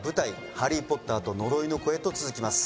「ハリー・ポッターと呪いの子」へと続きます